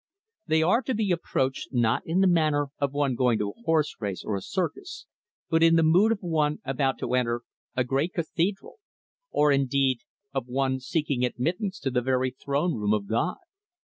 They are to be approached, not in the manner of one going to a horse race, or a circus, but in the mood of one about to enter a great cathedral; or, indeed, of one seeking admittance to the very throne room of God.